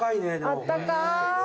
あったかーい。